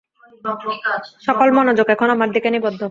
সকল মনোযোগ এখন আমার দিকে নিবদ্ধ!